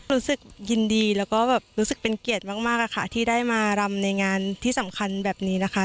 รู้สึกยินดีแล้วก็แบบรู้สึกเป็นเกียรติมากอะค่ะที่ได้มารำในงานที่สำคัญแบบนี้นะคะ